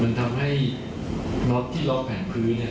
มันทำให้กลุ่มเป็นกมพื้นเนี่ย